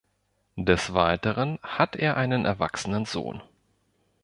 Des Weiteren hat er einen erwachsenen Sohn.